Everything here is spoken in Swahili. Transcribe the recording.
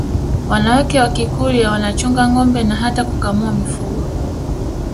wanawake wa Kikurya wanachunga ngombe na hata kukamua mifugo